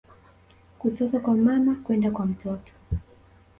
Kutoka kwa mama kwenda kwa mtoto